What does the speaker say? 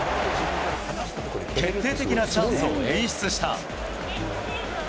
決定的なチャンスを演出した。